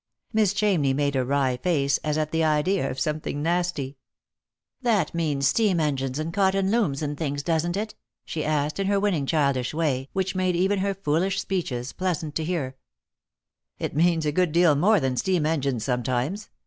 Miss Chamney made a wn. r face, as at the idea of somethinjr nasty. 20 Lost for Love. "That means steam engines and cotton looms and things, doesn't it P " she asked, in her winning childish, way, which made even her foolish speeches pleasant to hear. " It means a good deal more than steam engines sometimes.